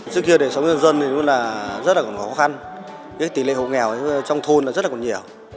trước kia để sống dân dân thì rất là khó khăn tỷ lệ hồ nghèo trong thôn rất là nhiều